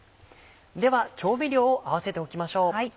では調味料を合わせておきましょう。